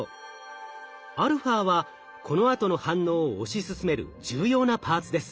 αはこのあとの反応を推し進める重要なパーツです。